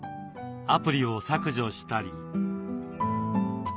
アプリを削除したり。